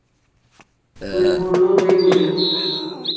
Hwèwòló hwé nǐ.